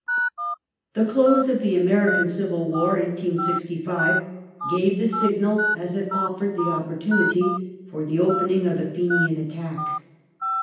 The close of the American Civil War (1865) gave the signal, as it offered the opportunity, for the opening of the Fenian attack.